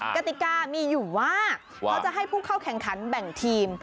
กติกามีอยู่ว่าเขาจะให้ผู้เข้าแข่งขันแบ่งทีม